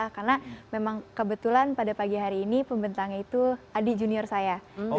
karena memang kebetulan pada pagi hari ini pembentangnya itu adik junior saya